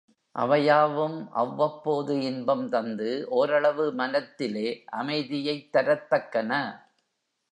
அவை யாவும் அவ்வப்போது இன்பம் தந்து ஒரளவு மனத்திலே அமைதியைத் தரத் தக்கன.